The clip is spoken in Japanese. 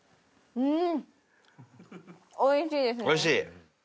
うん。